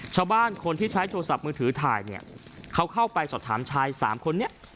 ชาวบ้านคนที่ใช้โทรศัพท์มือถือถ่ายเนี่ยเขาเข้าไปสอบถามชายสามคนนี้